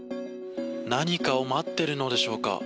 何かを待っているのでしょうか。